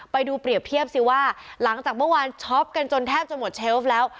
เปรียบเทียบสิว่าหลังจากเมื่อวานช็อปกันจนแทบจะหมดเชฟแล้ว